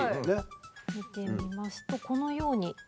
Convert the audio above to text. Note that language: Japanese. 見てみますとこのように。